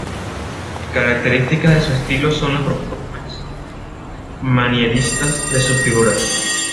Características de su estilo son las proporciones manieristas de sus figuras.